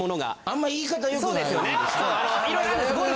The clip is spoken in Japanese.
あんま言い方よくない。